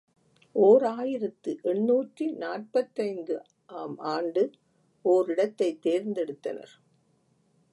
ஓர் ஆயிரத்து எண்ணூற்று நாற்பத்தைந்து ஆம் ஆண்டு ஓரிடத்தைத் தேர்ந்தெடுத்தனர்.